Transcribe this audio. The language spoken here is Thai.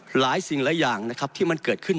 หลายสิ่งหลายอย่างนะครับที่มันเกิดขึ้น